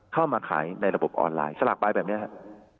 เข้ามาขายในระบบออนไลน์สลากไปแบบนี้ครับ